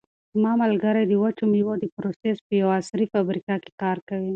زما ملګری د وچو مېوو د پروسس په یوه عصري فابریکه کې کار کوي.